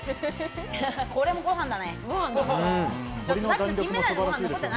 これもご飯だね。